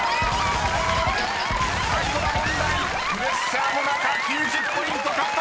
［最後の問題プレッシャーの中９０ポイント獲得！］